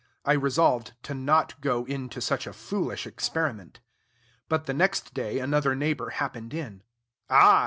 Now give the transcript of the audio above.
I resolved to not go into such a foolish experiment. But, the next day, another neighbor happened in. "Ah!